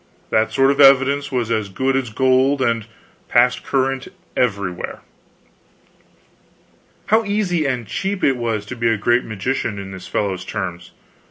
That sort of evidence was as good as gold, and passed current everywhere. How easy and cheap it was to be a great magician on this fellow's terms.